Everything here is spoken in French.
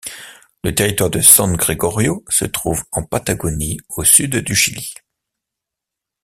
Le territoire de San Gregorio se trouve en Patagonie au sud du Chili.